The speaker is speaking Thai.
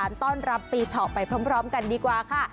ต้อนรับปีเถาะไปพร้อมกันดีกว่าค่ะ